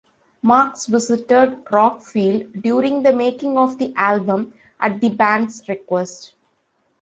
Marks visited Rockfield during the making of the album at the band's request.